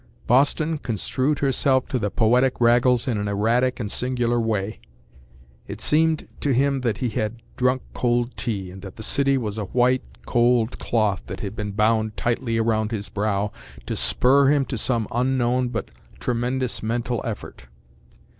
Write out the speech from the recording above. Boston construed herself to the poetic Raggles in an erratic and singular way. It seemed to him that he had drunk cold tea and that the city was a white, cold cloth that had been bound tightly around his brow to spur him to some unknown but tremendous mental effort.